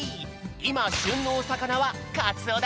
いましゅんのおさかなはかつおだよ！